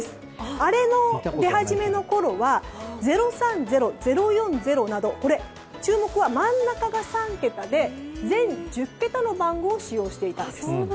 あれが出始めのころは０３０、０４０などこれ、注目は真ん中が３桁で全１０桁の番号を使用していたんです。